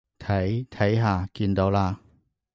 睇，睇下，見到啦？